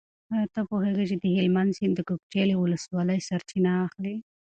ایا ته پوهېږې چې د هلمند سیند د کجکي له ولسوالۍ سرچینه اخلي؟